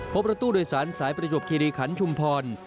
พบรถตู้โดยสารสายประจวบคิริขันชุมพร